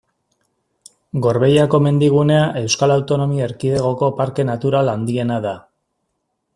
Gorbeiako mendigunea Euskal Autonomia Erkidegoko parke natural handiena da.